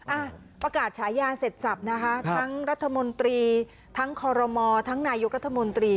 อ่ะประกาศฉายาเสร็จสับนะคะทั้งรัฐมนตรีทั้งคอรมอทั้งนายกรัฐมนตรี